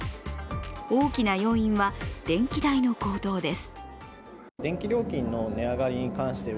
大きな要因は電気代の高騰です。